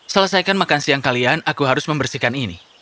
selesaikan makan siang kalian aku harus membersihkan ini